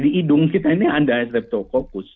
di hidung kita ini ada reptococcus